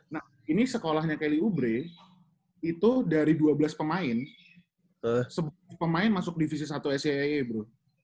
nah ini sekolahnya kelly oubre itu dari dua belas pemain satu pemain masuk divisi satu saae bro